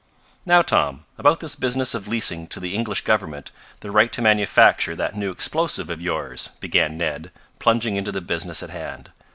"Now Tom, about this business of leasing to the English Government the right to manufacture that new explosive of yours," began Ned, plunging into the business at hand.